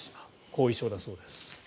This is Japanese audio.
後遺症だそうです。